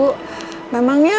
terima kasih ya bu